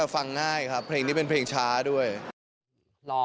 โดมเนี้ยบอกเลยว่าโอ้โห